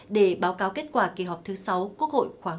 để báo cáo kết quả kỳ họp thứ sáu quốc hội khoáng một mươi bốn